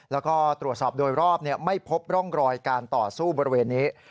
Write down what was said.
แล้วก็ตรวจสอบโดยรอบไม่พบร่องรอยการต่อสู้บริเวณนี้